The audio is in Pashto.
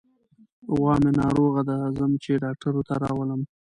غوا مې ناروغه ده، ځم چې ډاکټر ورته راولم.